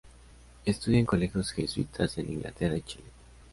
Estudia en colegios jesuitas en Inglaterra y Chile.